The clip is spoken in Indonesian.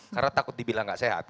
karena takut dibilang gak sehat